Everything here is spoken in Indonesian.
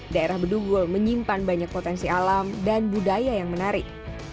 daerah bedugul menyimpan banyak potensi alam dan budaya yang menarik